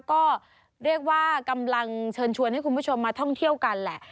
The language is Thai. ก็เรียกว่ากำลังเชิญชวนให้คุณผู้ชมมาท่องเที่ยวกันแหละ